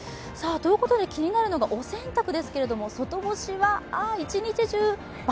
気になるのがお洗濯ですけれども外干しは一日中、×。